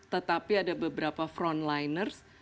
tetapi ada beberapa frontliners